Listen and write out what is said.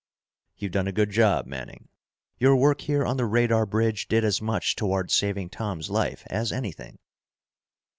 "You've done a good job, Manning. Your work here on the radar bridge did as much toward saving Tom's life as anything."